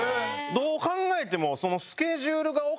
どう考えても。